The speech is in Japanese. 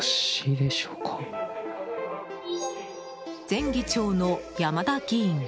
前議長の山田議員。